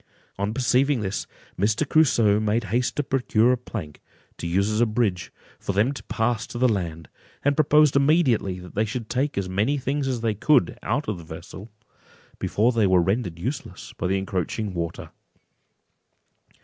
On perceiving this, Mr. Crusoe made haste to procure a plank, to use as a bridge, for them to pass to the land, and proposed immediately that they should take as many things as they could out of the vessel, before they were rendered useless by the encroaching water.